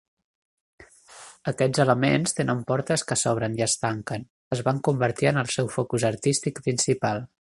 Aquests elements tenen portes que s'obren i es tanquen; es van convertir en el seu focus artístic principal.